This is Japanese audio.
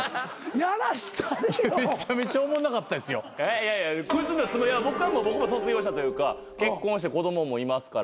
いやいやクズのつもりは僕は卒業したというか結婚して子供もいますから。